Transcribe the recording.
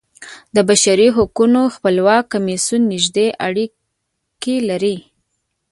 د بشري حقونو خپلواک کمیسیون نږدې اړیکې لري.